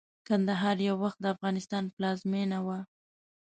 کندهار يٶوخت دافغانستان پلازمينه وه